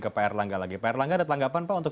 ke pak erlangga lagi pak erlangga ada tanggapan pak untuk